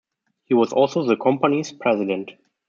He was also the company's president.